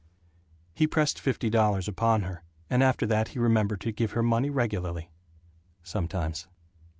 He pressed fifty dollars upon her, and after that he remembered to give her money regularly ... sometimes.